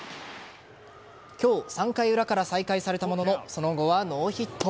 今日３回裏から再開されたもののその後はノーヒット。